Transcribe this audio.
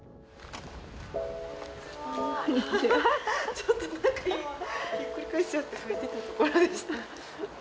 ちょっと中今ひっくり返しちゃって拭いてたところでした。